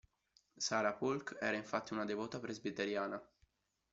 Sarah Polk era infatti una devota presbiteriana.